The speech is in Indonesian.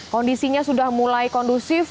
kondisinya sudah mulai kondusif